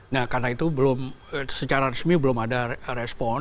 nah karena itu belum secara resmi belum ada respon